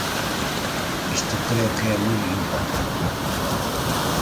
Isto creo que é moi importante.